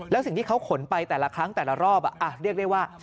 แล้วสิ่งที่เขาขนไปแต่ละครั้งแต่ละรอบเรียกได้ว่า